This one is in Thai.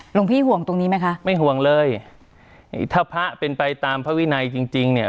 หลวงพี่ห่วงตรงนี้ไหมคะไม่ห่วงเลยถ้าพระเป็นไปตามพระวินัยจริงจริงเนี่ย